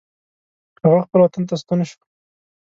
هغه خپل وطن ته ستون شو.